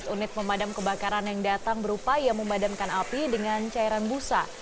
lima belas unit memadam kebakaran yang datang berupaya memadamkan api dengan cairan busa